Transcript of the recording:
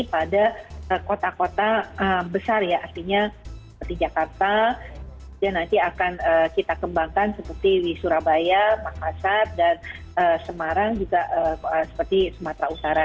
pada kota kota besar ya artinya seperti jakarta nanti akan kita kembangkan seperti di surabaya makassar dan semarang juga seperti sumatera utara